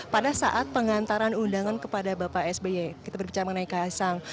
pada saat pengantaran undangan kepada bapak sby kita berbicara mengenai kaisang